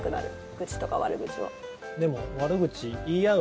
愚痴とか悪口を。